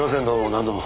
何度も。